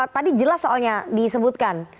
tadi jelas soalnya disebutkan